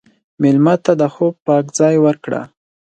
مېلمه ته د خوب پاک ځای ورکړه.